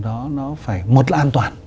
đó nó phải một là an toàn